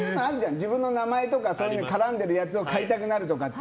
自分の名前とかそういうのに絡んでるのを買いたくなるとかって。